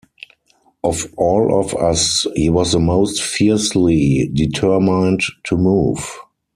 Of all of us, he was the most fiercely determined to move.